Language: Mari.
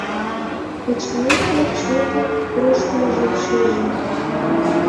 Кочмеке, чотак руштмыжым шиже.